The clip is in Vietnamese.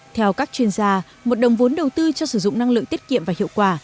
theo các chuyên gia một đồng vốn đầu tư cho sử dụng năng lượng tiết kiệm và hiệu quả